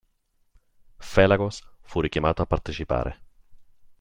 Felagos fu richiamato a partecipare.